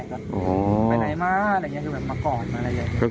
ไปไหนมาอะไรอย่างนี้คือแบบมากอดมาอะไรอย่างนี้